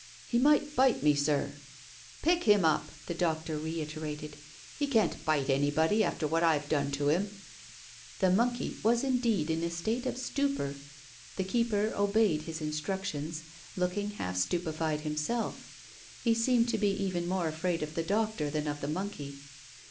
"He might bite me, sir." "Pick him up!" the doctor reiterated; "he can't bite anybody, after what I've done to him." The monkey was indeed in a state of stupor. The keeper obeyed his instructions, looking half stupefied himself: he seemed to be even more afraid of the doctor than of the monkey.